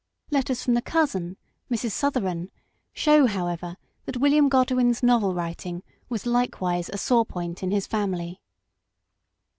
Letters from the cousin. Mrs. PARENTAGE. 17 Sotheran, show, however, that William Godwin's novel writing was likewise a sore point in his family.